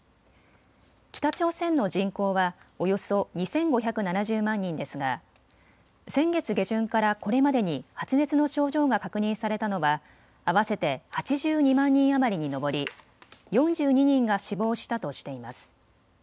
北朝鮮の人口はおよそ２５７０万人ですが先月下旬からこれまでに発熱の症状が確認されたのは合わせて８２万人余りに上り４２人が死亡したとしています。